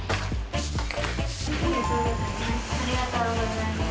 ありがとうございます。